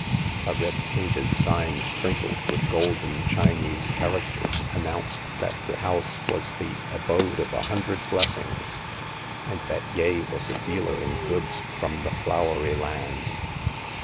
A red painted sign, sprinkled with golden Chinese characters, announced that the house was "the Abode of a Hundred Blessings," and that Yeh was a dealer in goods from the Flowery Land.